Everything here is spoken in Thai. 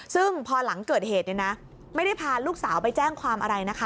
ซึ่งพอหลังเกิดเหตุเนี่ยนะไม่ได้พาลูกสาวไปแจ้งความอะไรนะคะ